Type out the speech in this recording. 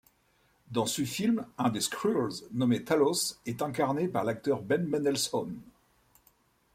Dans ce film, un des Skrulls, nommé Talos, est incarné par l'acteur Ben Mendelsohn.